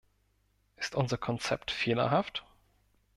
Ist unser Konzept fehlerhaft?